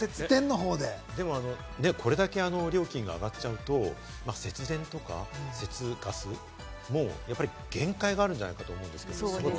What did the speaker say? でも、これだけ料金が上がっちゃうと節電とか節ガス、限界があるんじゃないかと思うんですけど。